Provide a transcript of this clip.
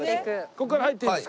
ここから入っていいんですか？